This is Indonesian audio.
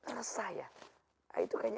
resah ya itu kayaknya